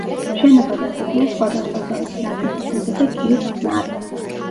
შენობა ნაგებია სხვადასხვა ზომის ნატეხი ქვითა და კირის ხსნარით.